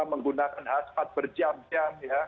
menggunakan aspat berjam jam